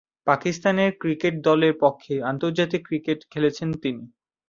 Pakistan cricket দলের পক্ষে আন্তর্জাতিক ক্রিকেট খেলছেন তিনি।